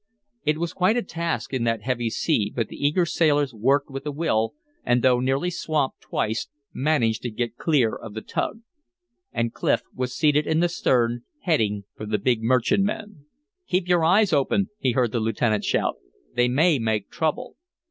It was quite a task in that heavy sea, but the eager sailors worked with a will, and though nearly swamped twice, managed to get clear of the tug. And Clif was seated in the stern, heading for the big merchantman. "Keep your eyes open," he heard the lieutenant shout. "They may make trouble."